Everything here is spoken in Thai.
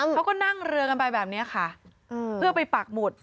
เขาก็นั่งเรือกันไปแบบนี้ค่ะเพื่อไปปากหมุด